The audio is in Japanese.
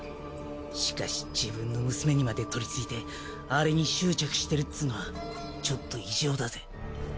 しかし自分の娘にまで取りついてあれに執着してるっつうのはちょっと異常だぜ。